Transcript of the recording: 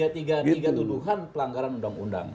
tiga tuduhan pelanggaran undang undang